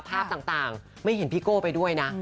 ภาพต่างไม่เห็นพี่โก้ไปด้วยนะ